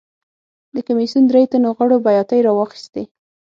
د کمېسیون درې تنو غړو بیاتۍ راواخیستې.